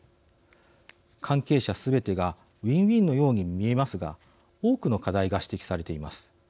関係者すべてがウィンウィンのように見えますが多くの課題が指摘されています。